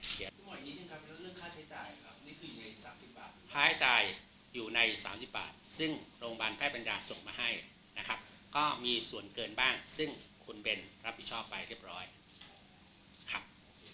ค่าใช้จ่ายอยู่ใน๓๐บาทซึ่งโรงพยาบาลไพรปัญญาส่งมาให้นะครับก็มีส่วนเกินบ้างซึ่งคุณเบนรับผิดชอบไปเรียบร้อยครับ